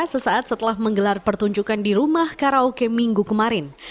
sesaat setelah menggelar pertunjukan di rumah karaoke minggu kemarin